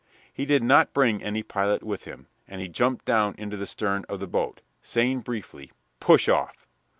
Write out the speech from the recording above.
He did not bring any pilot with him, and he jumped down into the stern of the boat, saying, briefly, "Push off."